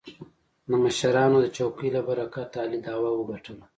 د مشرانو د چوکې له برکته علي دعوه وګټله.